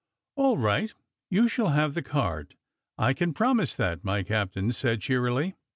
"All right, you shall have the card, I can promise that!" my captain said cheerily.